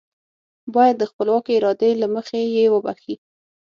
بايد د خپلواکې ارادې له مخې يې وبښي.